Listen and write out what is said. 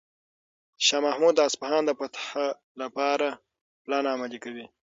شاه محمود د اصفهان د فتح لپاره خپل پلان عملي کوي.